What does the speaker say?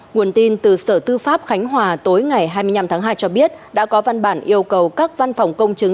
nguồn tin từ sở tư pháp khánh hòa tối ngày hai mươi năm tháng hai cho biết đã có văn bản yêu cầu các văn phòng công chứng